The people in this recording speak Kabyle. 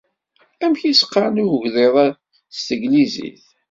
Amek i s-qqaren i ugḍid-a s teglizit?